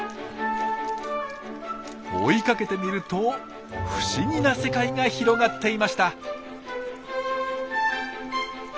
追いかけてみると不思議な世界が広がっていました。